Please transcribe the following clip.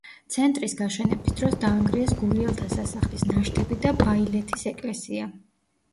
ცენტრის გაშენების დროს დაანგრიეს გურიელთა სასახლის ნაშთები და ბაილეთის ეკლესია.